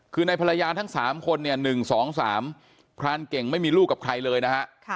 คือในภรรยาทั้ง๓คนเนี่ย๑๒๓พรานเก่งไม่มีลูกกับใครเลยนะฮะ